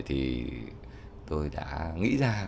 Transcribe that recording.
thì tôi đã nghĩ ra